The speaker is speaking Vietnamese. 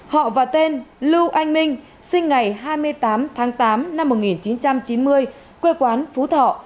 họ và tên lưu anh minh sinh ngày hai mươi tám tháng tám năm một nghìn chín trăm chín mươi quê quán phú thọ